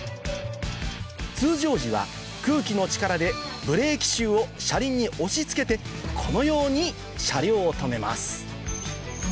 通常時は空気の力でブレーキシューを車輪に押し付けてこのように車両を止めます